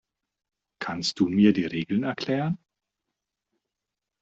Kannst du mir die Regeln erklären?